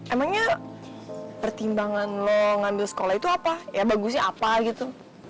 emangnya pertimbangan lo ngambil sekolah itu apa ya bagusnya apa gitu